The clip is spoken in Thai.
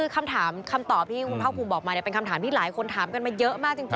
คำถามคำตอบที่คุณภาคภูมิบอกมาเป็นคำถามที่หลายคนถามกันมาเยอะมากจริง